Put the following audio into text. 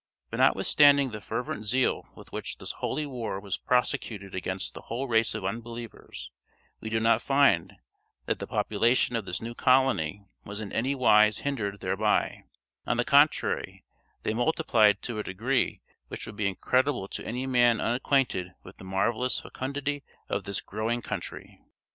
But not withstanding the fervent zeal with which this holy war was prosecuted against the whole race of unbelievers, we do not find that the population of this new colony was in anywise hindered thereby; on the contrary, they multiplied to a degree which would be incredible to any man unacquainted with the marvelous fecundity of this growing country.